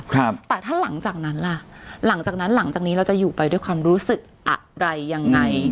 ครับแต่ถ้าหลังจากนั้นล่ะหลังจากนั้นหลังจากนี้เราจะอยู่ไปด้วยความรู้สึกอะไรยังไง